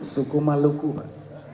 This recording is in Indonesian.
suku maluku pak